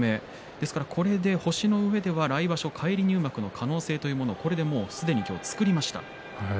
ですからこれで星のうえでは来場所返り入幕の可能性というものも今日すでに作りました。